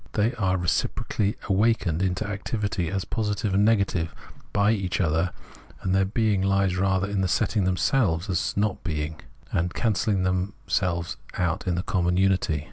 They are reciprocally awakened into activity as positive and negative by each other, and their being lies rather in their setting themselves up as not being, and cancelhng themselves in the common unity.